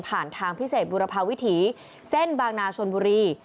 ทางพิเศษบุรพาวิถีเส้นบางนาชนบุรี